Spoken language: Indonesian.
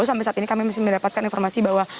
sampai saat ini kami masih mendapatkan informasi bahwa